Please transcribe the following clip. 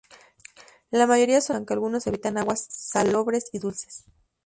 La mayoría son marinos, aunque algunos habitan aguas salobres y dulces.